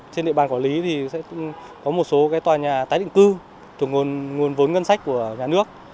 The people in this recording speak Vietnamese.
trên địa bàn quản lý thì sẽ có một số tòa nhà tái định cư thuộc nguồn vốn ngân sách của nhà nước